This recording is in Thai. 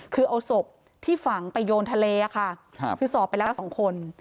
คือเอาศพที่ฝังไปโยนทะเลค่ะคือสอบไปแล้ว๒คน